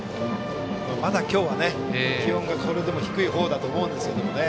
まだ今日は気温がそれでも低い方だと思いますけどね。